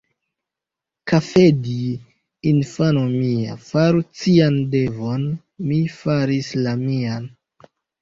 Kafedji, infano mia, faru cian devon: mi faris la mian.